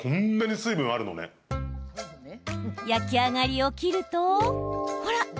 焼き上がりを切ると、ほら。